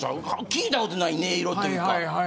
聴いたことない音色というか。